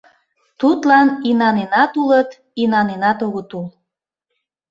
Тудлан инаненат улыт, инаненат огыт ул.